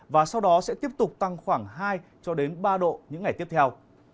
và sau đó sẽ tiếp tục tăng khoảng hai ba độ những ngày tiếp theo